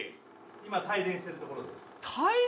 今帯電してるところです。